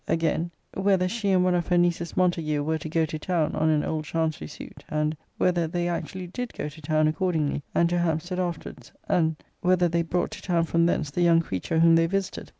Again 'Whether she and one of her nieces Montague were to go to town, on an old chancery suit?' And, 'Whether they actually did go to town accordingly, and to Hampstead afterwards?' and, 'Whether they brought to town from thence the young creature whom they visited?'